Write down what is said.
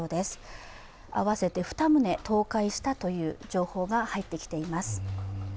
合わせて２棟、倒壊したという情報が入ってきています。